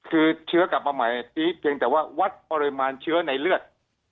คือเชื้อกลับมาใหม่ทีนี้เพียงแต่ว่าวัดปริมาณเชื้อในเลือด